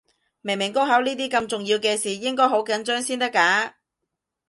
明明高考呢啲咁重要嘅事，應該好緊張先得㗎